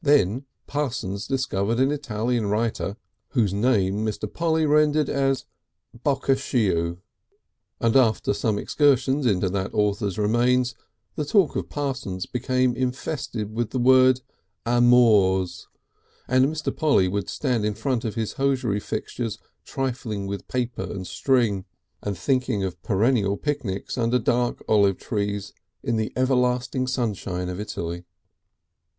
Then Parsons discovered an Italian writer, whose name Mr. Polly rendered as "Bocashieu," and after some excursions into that author's remains the talk of Parsons became infested with the word "amours," and Mr. Polly would stand in front of his hosiery fixtures trifling with paper and string and thinking of perennial picnics under dark olive trees in the everlasting sunshine of Italy.